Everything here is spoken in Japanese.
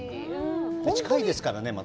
近いですからね、また。